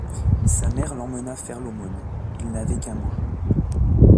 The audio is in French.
Sa mère l'emmena faire l'aumône, il n'avait qu'un mois.